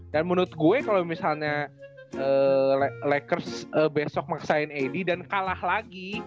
dan menurut gue kalo misalnya lakers besok maksain ad dan kalah lagi